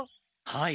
はい。